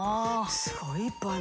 すごいいっぱいあるな。